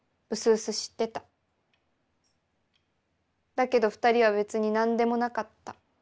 だけど２人は別に何でもなかった。